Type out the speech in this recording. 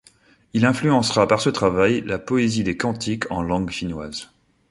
Il influencera par ce travail la poésie des cantiques en langue finnoise.